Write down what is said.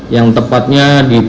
yang tepatnya diproduksi